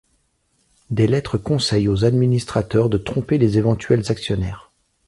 Des lettres conseillent aux administrateurs de tromper les éventuels actionnaires.